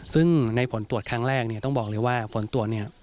ซึ่งในผลตรวจครั้งแรกต้องบอกเลยว่าผลตรวจ